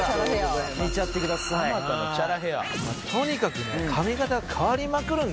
「とにかくね髪形変わりまくるんですよ」